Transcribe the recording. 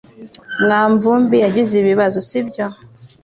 mwanvumbi yagize ibibazo, sibyo?